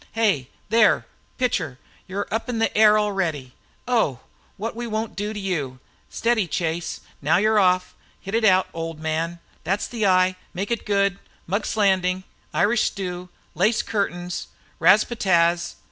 Hey, there, pitcher, you're up in the air already! Oh! What we won't do to you! Steady, Chase, now you're off. Hit it out, old man! That's the eye! Make it good! Mugg's Landing! Irish stew! Lace curtains! Ras pa tas!